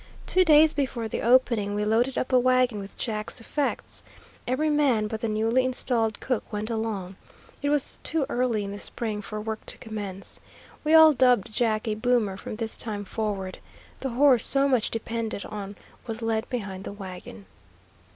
Two days before the opening, we loaded up a wagon with Jack's effects. Every man but the newly installed cook went along. It was too early in the spring for work to commence. We all dubbed Jack a boomer from this time forward. The horse so much depended on was led behind the wagon.